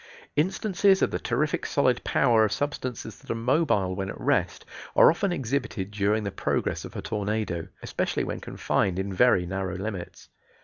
Instances of the terrific solid power of substances that are mobile when at rest are often exhibited during the progress of a tornado, especially when confined in very narrow limits.